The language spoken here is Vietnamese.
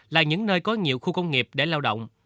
là những nơi có nhiều khu công nghiệp để lao động